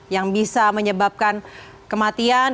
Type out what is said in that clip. yang bisa menyebabkan kematian